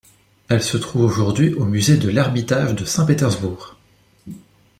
Elles se trouvent aujourd'hui au musée de l'Ermitage de Saint-Pétersbourg.